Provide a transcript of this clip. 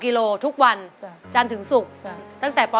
๑๒กกลทุกวันจะถึงสุกตั้งแต่ป๑ป๖